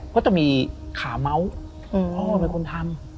ก็จะมีขาเมาส์พ่อเป็นคนทำ